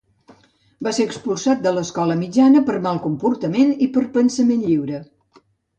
Va ser expulsat de l'escola mitjana per mal comportament i per pensament lliure.